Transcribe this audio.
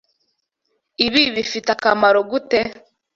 Ibi bifite akamaro gute?